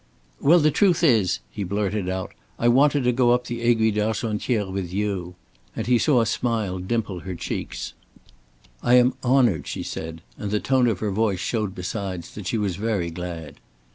"Well, the truth is," he blurted out, "I wanted to go up the Aiguille d'Argentière with you," and he saw a smile dimple her cheeks. "I am honored," she said, and the tone of her voice showed besides that she was very glad.